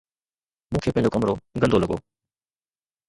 مون کي پنهنجو ڪمرو گندو لڳو